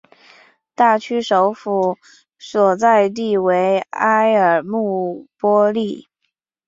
大区首府所在地为埃尔穆波利。